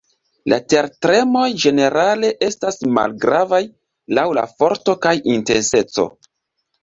La tertremoj ĝenerale estas malgravaj laŭ la forto kaj intenseco.